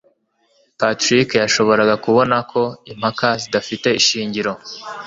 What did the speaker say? Patrick yashoboraga kubona ko impaka zidafite ishingiro.